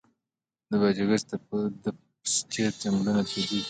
د بادغیس د پستې ځنګلونه طبیعي دي.